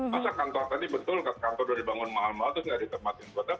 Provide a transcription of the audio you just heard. masa kantor tadi betul kantor udah dibangun mahal mahal terus gak ditempatin buat apa